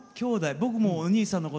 僕もお兄さんのこと